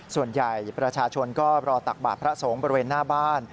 ส่วนใหญ่ประชาชนก็รอตักบาทพระสงฆ์บริเวณหน้าบ้าน